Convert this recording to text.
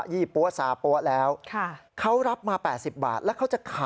โรงพักโรงพักโรงพัก